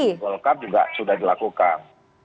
di golkar juga sudah dilakukan